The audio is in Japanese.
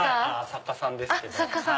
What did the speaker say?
作家さんですけど。